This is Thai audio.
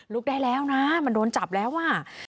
ได้แล้วนะมันโดนจับแล้วอ่ะ